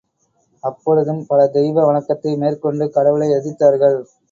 அப்பொழுதும் பல தெய்வ வணக்கத்தை மேற்கொண்டு கடவுளை எதிர்த்தார்கள்.